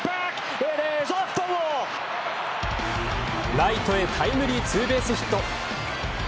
ライトへタイムリーツーベースヒット。